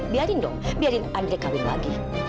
biarin dong biarin andre kawin lagi